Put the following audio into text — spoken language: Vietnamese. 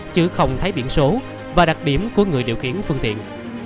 chứ không thấy biển số và đặc điểm của người điều khiển phương tiện